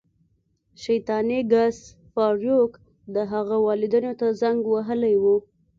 شیطاني ګس فارویک د هغه والدینو ته زنګ وهلی و